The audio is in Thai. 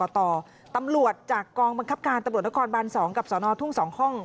ตำรวจจากกองบังคับการตำรวจนครบัน๒กับสนทุ่ง๒ห้อง